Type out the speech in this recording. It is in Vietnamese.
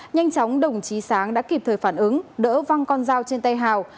nhanh chóng đồng chí sáng đã kịp thời phản ứng đỡ văng con dao trên tay hào